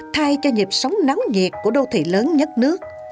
thay cho nhịp sống nóng nhiệt của đô thị lớn nhất nước